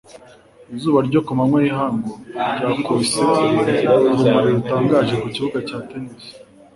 izuba ryo ku manywa y'ihangu ryakubise urumuri rutangaje ku kibuga cya tennis